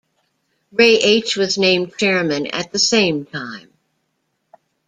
Ray H. was named chairman at the same time.